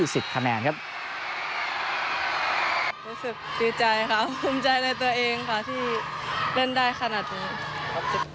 รู้สึกดีใจครับคุ้มใจในตัวเองค่ะที่เล่นได้ขนาดนี้